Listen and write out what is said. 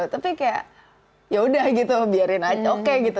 tapi kayak ya udah gitu biarin aja oke gitu